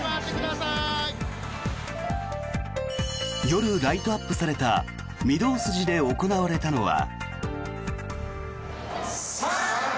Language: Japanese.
夜ライトアップされた御堂筋で行われたのは。